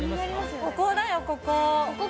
ここだよ、ここ。